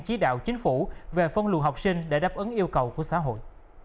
chí đạo chính phủ về phân luồng học sinh để đáp ứng yêu cầu của xã hội